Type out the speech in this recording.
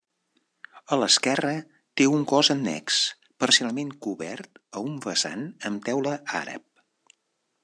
A l'esquerra té un cos annex, parcialment cobert a un vessant amb teula àrab.